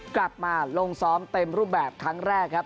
กลับมาลงซ้อมเต็มรูปแบบครั้งแรกครับ